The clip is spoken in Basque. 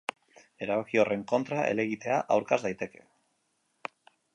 Erabaki horren kontra helegitea aurkez daiteke.